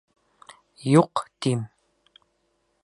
Юҡ, тим.